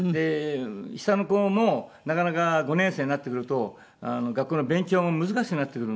下の子もなかなか５年生になってくると学校の勉強も難しくなってくるので。